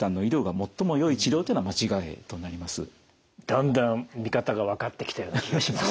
だんだん見方が分かってきたような気がします。